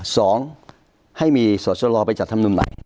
สองให้มีสศลไปจัดคำนวณใหม่